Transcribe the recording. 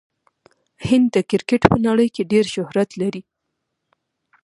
هند د کرکټ په نړۍ کښي ډېر شهرت لري.